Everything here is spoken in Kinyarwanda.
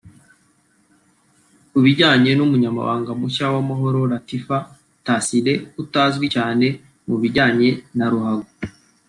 Ku bijyanye n’Umunyamabanga mushya Uwamahoro Latifah Tharcille utazwi cyane mu bijyanye na ruhago